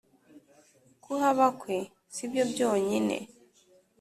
Kuhaba kwe si byo byonyine